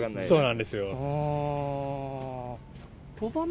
そうなんですよ。